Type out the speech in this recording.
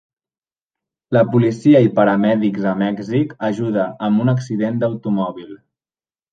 La policia i paramèdics a Mèxic ajudar amb un accident d'automòbil.